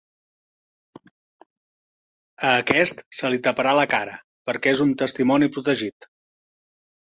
A aquest se li taparà la cara perquè és un testimoni protegit.